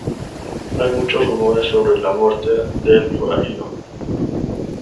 Hay muchos rumores sobre la muerte del forajido.